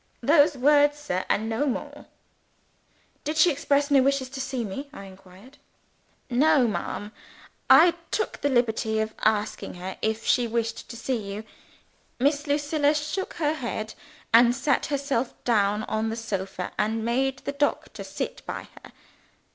Those words, sir, and no more." "Did she express no wish to see me?" I inquired. "No, ma'am. I took the liberty of asking her if she wished to see you. Miss Lucilla shook her head, and sat herself down on the sofa, and made the doctor sit by her.